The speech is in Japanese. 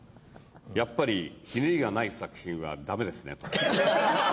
「やっぱりひねりがない作品はダメですね」と。